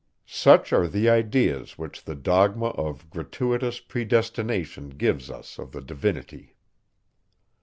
Such are the ideas, which the dogma of gratuitous predestination gives us of the divinity!